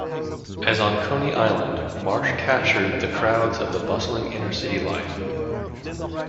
As on Coney Island, Marsh captured the crowds of the bustling inner city life.